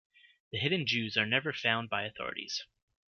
The hidden Jews are never found by authorities.